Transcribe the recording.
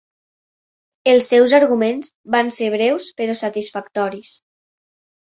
Els seus arguments van ser breus però satisfactoris.